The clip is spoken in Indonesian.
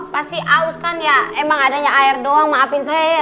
pasti aus kan ya emang adanya air doang maafin saya ya